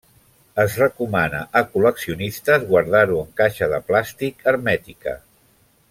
Es recomana a col·leccionistes guardar-ho en caixa de plàstic hermètica.